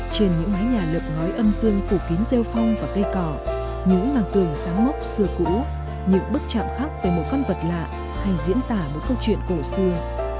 trên những mái nhà lợp ngói âm dương phủ kín rêu phong và cây cỏ những màng cường sáng mốc xưa cũ những bức chạm khắc về một con vật lạ hay diễn tả một câu chuyện cổ xưa